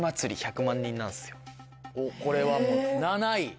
これはもう７位？